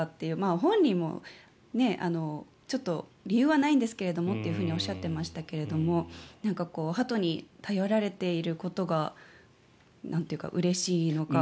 本人もちょっと理由はないんですけれどもとおっしゃってましたけどもハトに頼られていることがなんというか、うれしいのか。